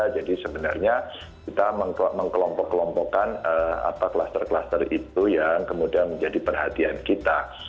jadi sebenarnya kita mengkelompok kelompokkan kluster kluster itu yang kemudian menjadi perhatian kita